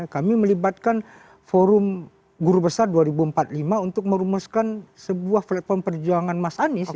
kami melibatkan forum guru besar dua ribu empat puluh lima untuk merumuskan sebuah platform perjuangan mas anies